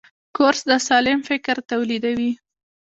کورس د سالم فکر تولیدوي.